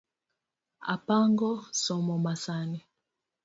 Apango somo masani